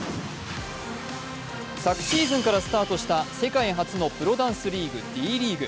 昨シーズンからスタートした世界初のプロダンスリーグ・Ｄ．ＬＥＡＧＵＥ。